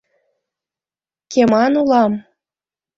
— Кеман улам».